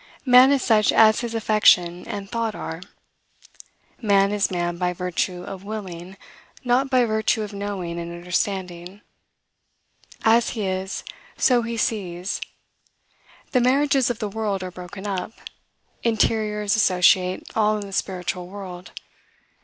Man is such as his affection and thought are. Man is man by virtue of willing, not by virtue of knowing and understanding. As he is, so he sees. The marriages of the world are broken up. Interiors associate all in the spiritual world.